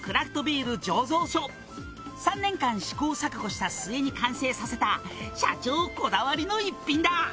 「３年間試行錯誤した末に完成させた社長こだわりの逸品だ」